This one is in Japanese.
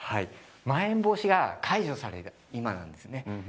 まん延防止が解除される今なんですね。